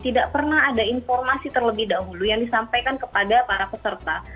tidak pernah ada informasi terlebih dahulu yang disampaikan kepada para peserta